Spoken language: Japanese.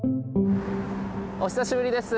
お久しぶりです。